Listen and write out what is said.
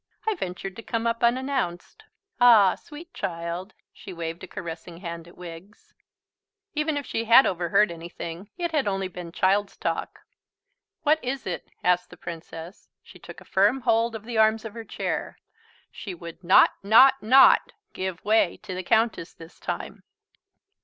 I ventured to come up unannounced. Ah, sweet child." She waved a caressing hand at Wiggs. (Even if she had overheard anything, it had only been child's talk.) "What is it?" asked the Princess. She took a firm hold of the arms of her chair. She would not, not, not give way to the Countess this time.